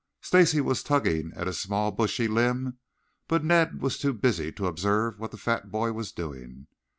Stacy was tugging at a small bushy limb, but Ned was too busy to observe what the fat boy was doing.